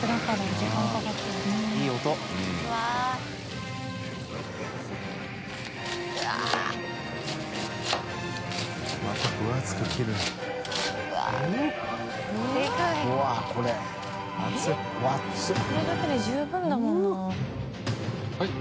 ↓ぁこれだけで十分だもんな。